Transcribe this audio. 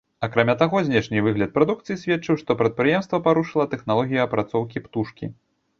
Акрамя таго, знешні выгляд прадукцыі сведчыў, што прадпрыемства парушыла тэхналогію апрацоўкі птушкі.